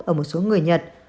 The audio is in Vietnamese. ở một số người nhật